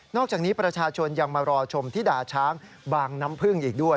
อกจากนี้ประชาชนยังมารอชมที่ด่าช้างบางน้ำพึ่งอีกด้วย